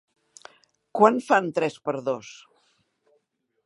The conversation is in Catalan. Quan fan tres per dos?